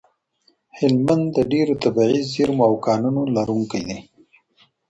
هلمند د ډېرو طبیعي زیرمو او کانونو لرونکی دی.